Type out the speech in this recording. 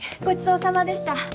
ごちそうさまでした。